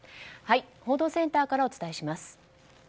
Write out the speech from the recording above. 報道センターからお伝えします。